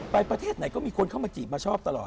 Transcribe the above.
ประเทศไหนก็มีคนเข้ามาจีบมาชอบตลอด